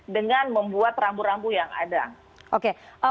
dengan membuat rambu rambu yang ada